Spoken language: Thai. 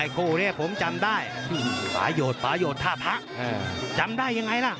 พี่น้องอ่ะพี่น้องอ่ะพี่น้องอ่ะ